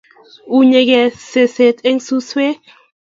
Unyekei seset eng suswek